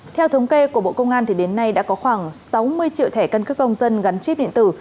theo thống kê của bộ công an đến nay đã có khoảng sáu mươi triệu thẻ căn cước công dân gắn chip điện tử